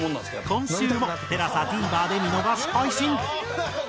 今週もＴＥＬＡＳＡＴＶｅｒで見逃し配信。